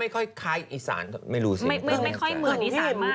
แต้วเขาลำบ่อยมากเพราะเขาเป็นนาฬีอันแรก